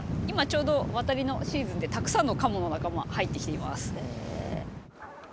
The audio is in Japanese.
今ちょうど渡りのシーズンでたくさんのカモの仲間入ってきています。